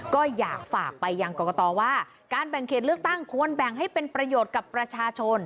ก็อยากฝากไปยังกรกตว่าการแบ่งเขตเลือกตั้งควรแบ่งให้เป็นประโยชน์กับประชาชน